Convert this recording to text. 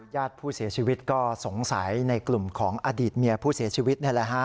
ญาติผู้เสียชีวิตก็สงสัยในกลุ่มของอดีตเมียผู้เสียชีวิตนี่แหละฮะ